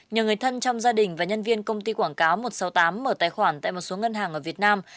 nhờ người thân trong gia đình và nhân viên công ty quảng cáo một trăm sáu mươi tám mở tài khoản tại một số ngân hàng ở việt nam